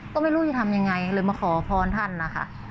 ก็ไม่รู้จะทำยังไงเลยมาขอพรท่านนะคะ